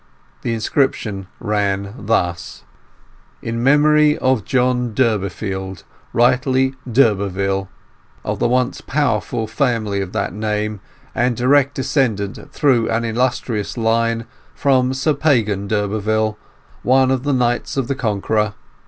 The inscription ran thus: In memory of John Durbeyfield, rightly d'Urberville, of the once powerful family of that Name, and Direct Descendant through an illustrious Line from Sir Pagan d'Urberville, one of the Knights of the Conqueror.